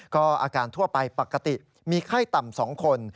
ก็อาการทั่วไปปกติมีไข้ต่ำ๒คน